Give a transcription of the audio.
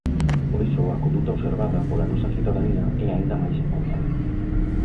Por iso a conduta observada pola nosa cidadanía é aínda máis encomiable.